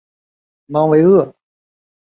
芒维厄。